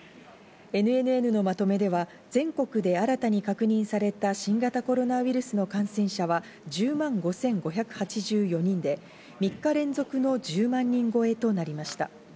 ＮＮＮのまとめでは、全国で新たに確認された新型コロナウイルスと感染者は１０万５５８４人で、３日連続の１０万人超えとなりました。